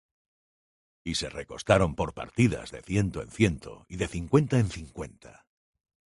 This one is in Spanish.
Y se recostaron por partidas, de ciento en ciento, y de cincuenta en cincuenta.